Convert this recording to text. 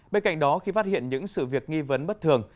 bên cạnh đó khi phát hiện những sự việc nghi vấn bất thường